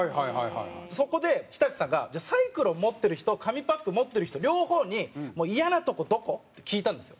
そこで、日立さんがサイクロン持ってる人紙パック持ってる人、両方にイヤなとこ、どこ？って聞いたんですよ。